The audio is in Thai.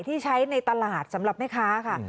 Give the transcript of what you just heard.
ที่ใช้ในตลาดสำหรับแม่ค้าค่ะ